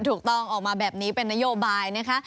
ถูกต้องออกมาแบบนี้เป็นนโยบายนะคะ